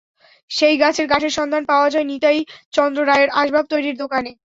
সেই গাছের কাঠের সন্ধান পাওয়া যায় নিতাই চন্দ্র রায়ের আসবাব তৈরির দোকানে।